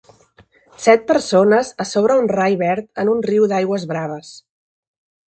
set persones a sobre un rai verd en un riu d'aigües braves.